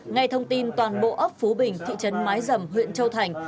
ngay thông tin toàn bộ ấp phú bình thị trấn mái dầm huyện châu thành